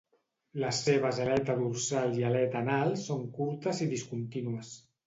Les seves aleta dorsal i aleta anals són curtes i discontínues.